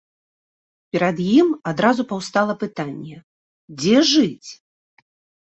Перад ім адразу паўстала пытанне, дзе жыць.